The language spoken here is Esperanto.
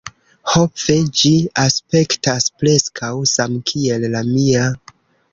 Ho, ve. Ĝi aspektas preskaŭ samkiel la mia!